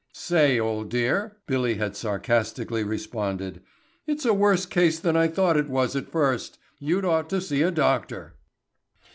"Say, old dear," Billy had sarcastically responded, "it's a worse case than I thought it was at first. You'd ought to see a doctor."